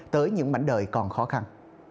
tới những mảnh đời còn khó khăn